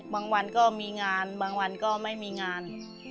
วันก็มีงานบางวันก็ไม่มีงาน